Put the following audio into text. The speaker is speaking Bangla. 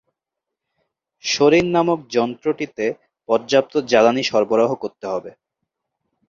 শরীর নামক যন্ত্রটিতে পর্যাপ্ত জ্বালানী সরবরাহ করতে হবে।